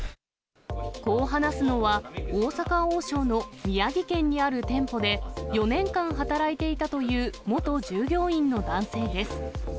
こう話すのは、大阪王将の宮城県にある店舗で、４年間働いていたという元従業員の男性です。